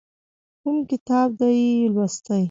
کوم کتاب دې یې لوستی؟